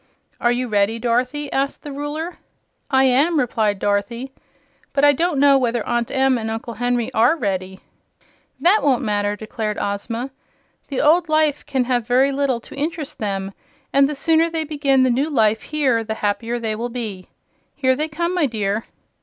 "Are you ready, Dorothy?" asked the Ruler. "I am," replied Dorothy; "but I don't know whether Aunt Em and Uncle Henry are ready." "That won't matter," declared Ozma. "The old life can have very little to interest them, and the sooner they begin the new life here the happier they will be. Here they come, my dear!"